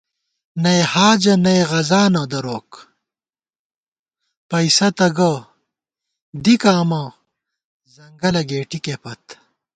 نئ حاجہ نئ غذانہ دروک ، پئیسہ تہ گہ، دِکہ امہ، ځنگلہ گېٹِکےپت